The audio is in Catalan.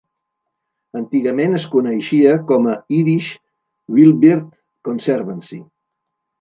Antigament es coneixia com a Irish Wildbird Conservancy.